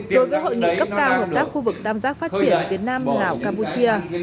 đối với hội nghị cấp cao hợp tác khu vực tam giác phát triển việt nam lào campuchia